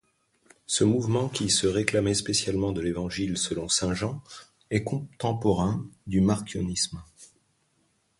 Ce mouvement, qui se réclamait spécialement de l'Évangile selon Jean, est contemporain du marcionisme.